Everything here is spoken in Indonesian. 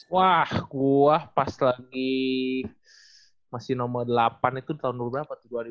wah gue pas lagi masih nomor delapan itu tahun berapa tuh